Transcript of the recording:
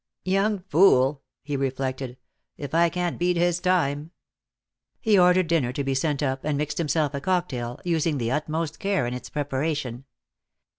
"Young fool!" he reflected. "If I can't beat his time " He ordered dinner to be sent up, and mixed himself a cocktail, using the utmost care in its preparation.